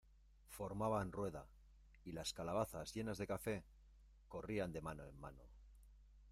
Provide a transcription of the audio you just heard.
formaban rueda, y las calabazas llenas de café , corrían de mano en mano.